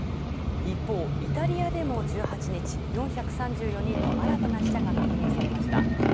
一方、イタリアでも１８日、４３４人の新たな死者が確認された。